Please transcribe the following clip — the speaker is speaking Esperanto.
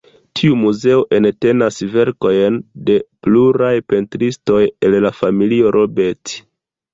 Tiu muzeo entenas verkojn de pluraj pentristoj el la familio Robert.